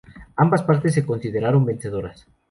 Ambas partes se consideraron vencedoras.